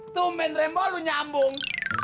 tuh main remboh lu nyambung